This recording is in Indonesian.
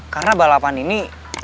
karena balapan ini